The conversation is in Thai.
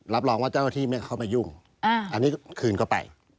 รับรองว่าเจ้าที่เขาไม่ยุ่งอันนี้คืนก็ไป